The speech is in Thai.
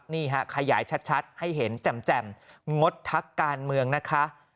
นี่ฮะขยายชัดให้เห็นแจ่มงดทักการเมืองนะคะ